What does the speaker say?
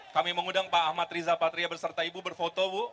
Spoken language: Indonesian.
kami mengundang pak ahmad riza patria berserta ibu berfoto bu